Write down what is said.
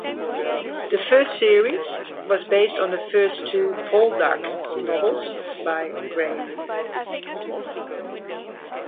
The first series was based on the first two "Poldark" novels by Graham.